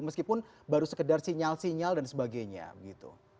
meskipun baru sekedar sinyal sinyal dan sebagainya begitu